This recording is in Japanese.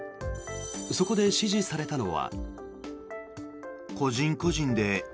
そこで指示されたのは。